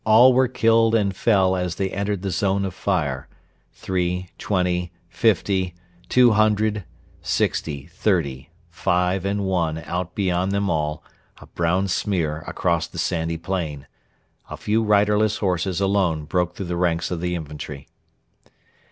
All were killed and fell as they entered the zone of fire three, twenty, fifty, two hundred, sixty, thirty, five and one out beyond them all a brown smear across the sandy plain. A few riderless horses alone broke through the ranks of the infantry.